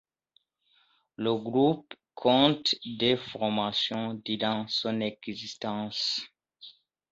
Le groupe compte deux formations durant son existence.